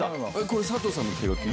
これ、佐藤さんの手書き？